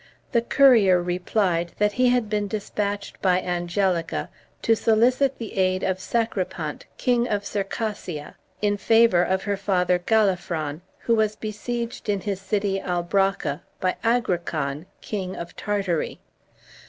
The courier replied that he had been despatched by Angelica to solicit the aid of Sacripant, king of Circassia, in favor of her father Galafron, who was besieged in his city, Albracca, by Agrican, king of Tartary.